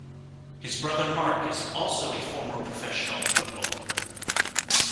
His brother Marc is also a former professional footballer.